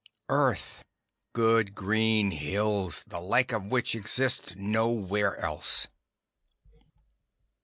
Earth. Good green hills, the like of which exists nowhere else.